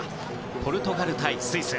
ポルトガル対スイス。